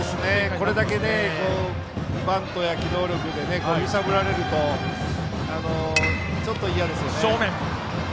これだけバントや機動力で揺さぶられるとちょっと嫌ですね。